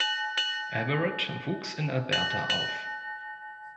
Everett wuchs in Alberta auf.